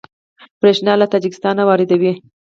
بریښنا له تاجکستان واردوي